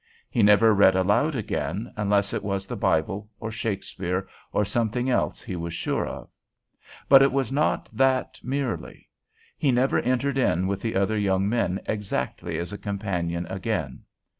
He never read aloud again, unless it was the Bible or Shakespeare, or something else he was sure of. But it was not that merely. He never entered in with the other young men exactly as a companion again.